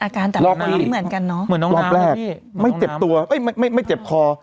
อาการต่างกันเหมือนกันเนอะรอบแรกไม่เจ็บตัวไม่ไม่ไม่เจ็บคอ